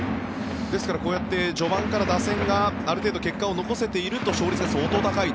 ですから、こうやって序盤から打線がある程度結果を残している勝率が相当高い。